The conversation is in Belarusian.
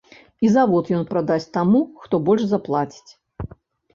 І завод ён прадасць таму, хто больш заплаціць.